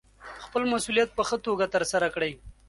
خپل مسوولیت په ښه توګه ترسره کړئ.